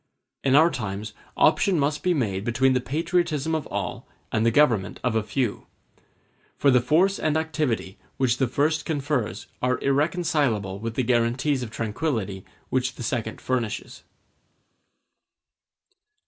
In our times option must be made between the patriotism of all and the government of a few; for the force and activity which the first confers are irreconcilable with the guarantees of tranquillity which the second furnishes.